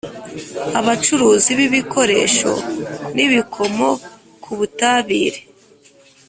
Abacuruzi b ibikoresho n ibikomoka ku butabire